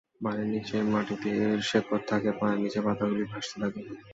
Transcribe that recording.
পানির নিচে মাটিতে এর শিকড় থাকে এবং পানির উপর পাতা গুলি ভাসতে থাকে।